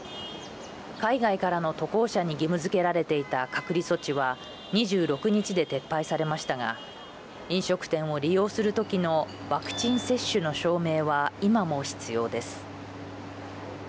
海外からの渡航者に義務づけられていた隔離措置は２６日で撤廃されましたが飲食店を利用する時のワクチン接種の証明は今も必要です。